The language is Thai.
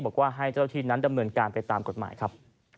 บอกว่าให้เจ้าที่นั้นดำเนินการไปตามกฎหมายครับ